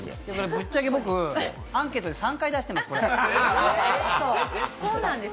ぶっちゃけ僕、アンケートで３回出しているんです。